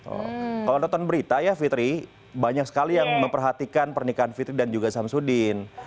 oh kalau nonton berita ya fitri banyak sekali yang memperhatikan pernikahan fitri dan juga samsudin